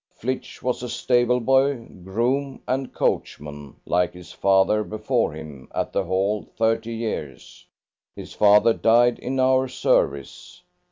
Flitch was a stable boy, groom, and coachman, like his father before him, at the Hall thirty years; his father died in our service.